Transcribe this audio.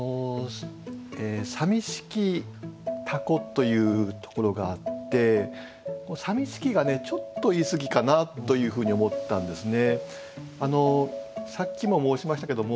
「さみしき凧」というところがあって「さみしき」がねちょっと言い過ぎかなというふうに思ったんですね。